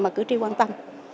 mà cử tri quan tâm